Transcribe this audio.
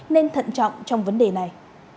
nên thận trọng trong vấn đề này